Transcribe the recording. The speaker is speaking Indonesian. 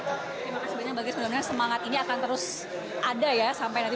terima kasih banyak mbak grace semangat ini akan terus ada ya sampai nanti dua ribu sembilan belas